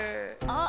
あ！